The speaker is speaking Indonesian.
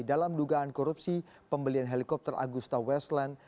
dalam dugaan korupsi pembelian helikopter agusta westland